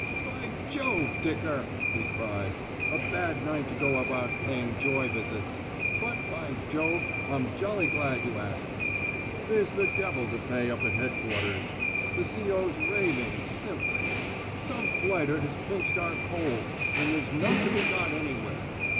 "By Jove, Dicker," he cried. "A bad night to go about paying joy visits. But, by Jove, I'm jolly glad you asked me. There's the devil to pay up at headquarters. The C.O.'s raving, simply. Some blighter has pinched our coal, and there's none to be got anywhere.